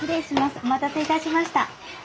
お待たせいたしました。